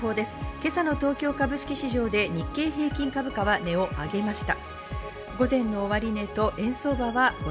今朝の東京株式市場で日経平均株価は値を上げました。